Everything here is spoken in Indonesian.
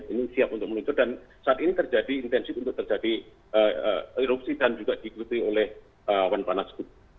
ini siap untuk meluncur dan saat ini terjadi intensif untuk terjadi erupsi dan juga diikuti oleh awan panas